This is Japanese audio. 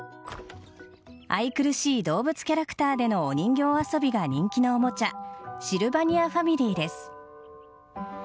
愛くるしい動物キャラクターでのお人形遊びが人気のおもちゃシルバニアファミリーです。